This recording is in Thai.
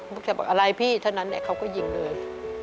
แกบอกอะไรพี่เท่านั้นเขาก็ยิงเลย